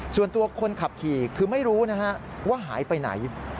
ส่วนตัวคนขับขี่คือไม่รู้นะฮะว่าหายไปไหน